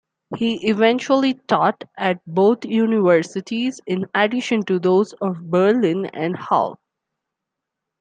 He eventually taught at both universities in addition to those of Berlin and Halle.